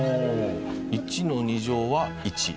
１の二乗は１。